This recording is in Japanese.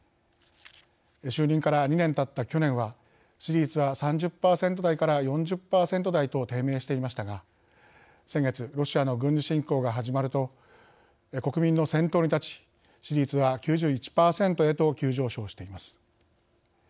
就任から２年たった去年は支持率は３０％台から４０％台と低迷していましたが先月ロシアの軍事侵攻が始まると国民の先頭に立ち支持率は９１％へと急上昇しています。